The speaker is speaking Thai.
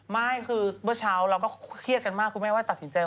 ไม่คือเมื่อเช้าเราก็เครียดกันมากคุณแม่ว่าตัดสินใจ